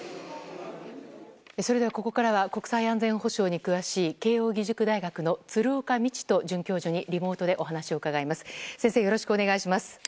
それでは、ここからは国際安全保障に詳しい慶應義塾大学の鶴岡路人准教授にリモートでお話を伺います。